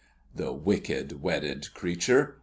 The wicked, wedded creature!